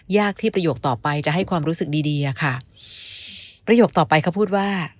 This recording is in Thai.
ยากที่ประโยคต่อไปจะให้ความรู้สึกดีดีอะค่ะประโยคต่อไปเขาพูดว่า